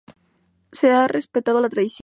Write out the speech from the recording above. Se ha de respetar la tradición.